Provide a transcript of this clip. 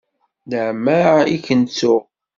Leɛmeɛ i ken-ttuɣ.